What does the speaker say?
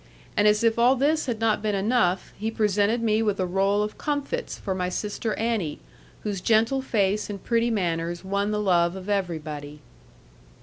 And as if all this had not been enough, he presented me with a roll of comfits for my sister Annie, whose gentle face and pretty manners won the love of everybody.